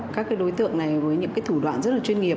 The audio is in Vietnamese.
các đối tượng này với những thủ đoạn rất là chuyên nghiệp